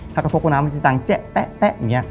ถ้ากระทบกับน้ำมันจะดังแจ๊ะแป๊ะแป๊ะอย่างนี้